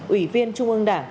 ủy viên trung ương đảng